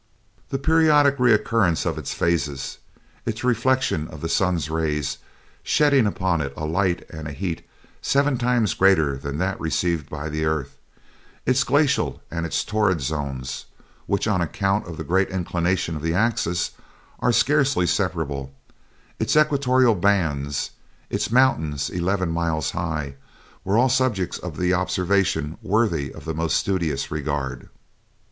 The periodic recurrence of its phases; its reflection of the sun's rays, shedding upon it a light and a heat seven times greater than that received by the earth; its glacial and its torrid zones, which, on account of the great inclination of the axis, are scarcely separable; its equatorial bands; its mountains eleven miles high; were all subjects of observation worthy of the most studious regard.